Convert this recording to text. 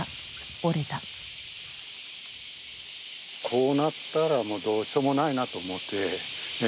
こうなったらもうどうしようもないなと思って。